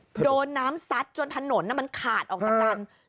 โอ้โหโดนน้ำซัดจนถนนมันขาดออกตั้งแต่น